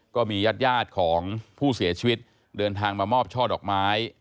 ก็มีญาติยาดของผู้เสียชีวิตเดินทางมามอบช่อดอกไม้